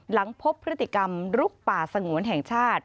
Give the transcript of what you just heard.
หลังพบพฤติกรรมลุกป่าสงวนแห่งชาติ